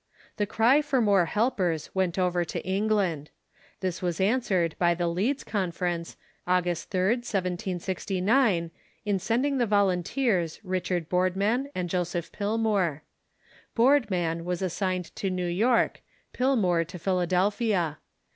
The cry for more helpers went over to England. This was answered by the Leeds Conference, August 3d, 1769, in sending the volunteers Richard Boardman and Joseph Pilmoor. Boai dman Avas as signed to New York, Pilmoor to Philadelphia.